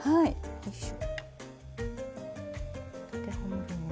よいしょ。